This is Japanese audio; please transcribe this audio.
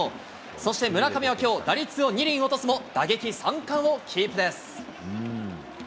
そして村上はきょう、打率を２厘落とすも、打撃三冠をキープです。